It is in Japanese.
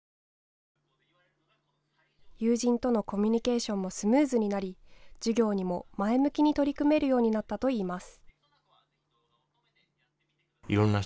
友人とのコミュニケーションもスムーズになり授業にも前向きに取り組めるようになったといいます。